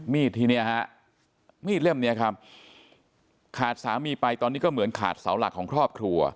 ที่เนี่ยฮะมีดเล่มนี้ครับขาดสามีไปตอนนี้ก็เหมือนขาดเสาหลักของครอบครัว